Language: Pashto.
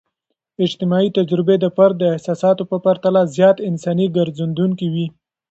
اجتماعي تجربې د فرد د احساساتو په پرتله زیات انساني ګرځیدونکي وي.